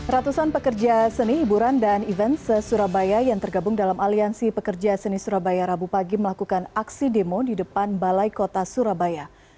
ratusan pekerja seni hiburan dan event se surabaya yang tergabung dalam aliansi pekerja seni surabaya rabu pagi melakukan aksi demo di depan balai kota surabaya